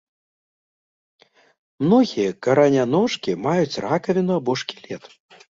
Многія караняножкі маюць ракавіну або шкілет.